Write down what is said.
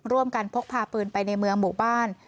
ร่วมกันพกพาปืนไปในเมืองหมู่บ้าน